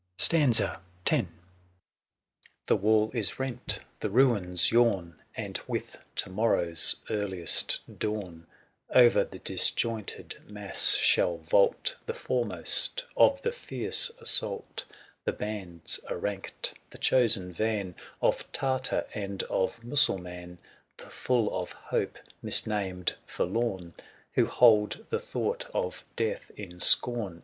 X. , The wall is rent, the ruins yawn ; 185 And, with to morrow's earliest dawn, 16 THE SIEGE OF CORINTH. O'er the disjointed mass shall vault The foremost of the fierce assault. The bands are ranked ; the chosen van Of Tartar and of Mussulman, ] 90 Tlie full of hope, misnamed " forlorn," Who hold the thought of death in scorn.